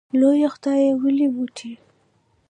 لویه خدایه ولې موټی